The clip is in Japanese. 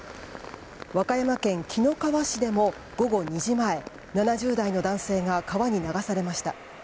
和歌山県紀の川市でも午後２時前７０代の男性が川に流されました。